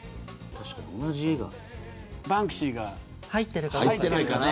バンクシーが入ってるかな。